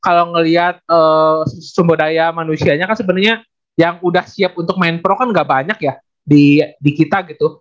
kalau ngeliat sumber daya manusianya kan sebenarnya yang udah siap untuk main pro kan gak banyak ya di kita gitu